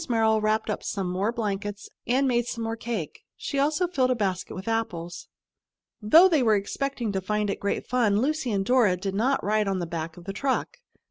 Merrill wrapped up some more blankets and made some more cake. She also filled a basket with apples. Though they were expecting to find it great fun, Lucy and Dora did not ride on the back of the truck.